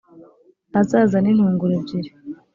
azazane intungura ebyiri.